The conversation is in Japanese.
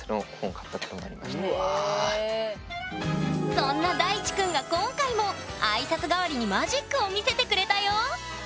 そんな大智くんが今回も挨拶代わりにマジックを見せてくれたよ！